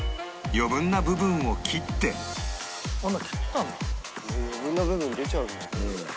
余分な部分出ちゃうんだ。